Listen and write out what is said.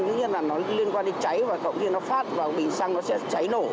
tuy nhiên là nó liên quan đến cháy và khổng khi nó phát vào bình xăng nó sẽ cháy nổ